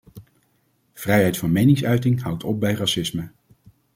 Vrijheid van meningsuiting houdt op bij racisme.